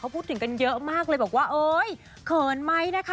พูดถึงกันเยอะมากเลยบอกว่าเอ้ยเขินไหมนะคะ